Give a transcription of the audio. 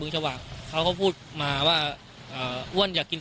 แล้วก็ได้คุยกับนายวิรพันธ์สามีของผู้ตายที่ว่าโดนกระสุนเฉียวริมฝีปากไปนะคะ